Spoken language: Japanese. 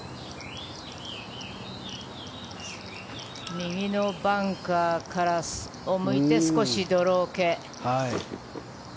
右のバンカーを向いて少しドロー系。